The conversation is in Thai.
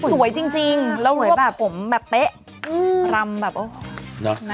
สวยจริงแล้วรวบผมแบบเป๊ะรำแบบโอ้โฮ